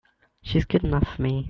She's good enough for me!